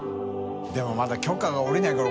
任まだ許可がおりないから。